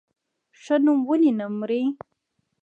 ښه نوم ولې نه مري؟